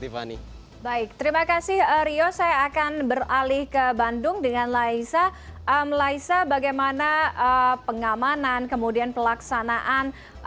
sebagai bisa ini wicked beautiful baya terima kasih atas alih bandung dengan nahisa spraysa bagaimana pengamanan kemudian pelaksanaan